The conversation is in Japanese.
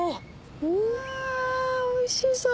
うわぁおいしそう。